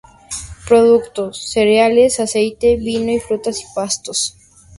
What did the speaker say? Productos: cereales, aceite, vino y frutas y pastos.